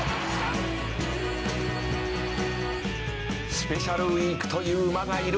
「スペシャルウィークという馬がいる」